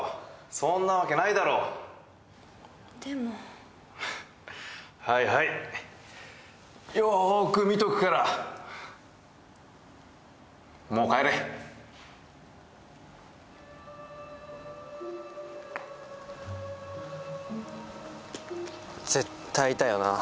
そんなわけないだろでもはいはいよーく見とくからもう帰れ絶対いたよな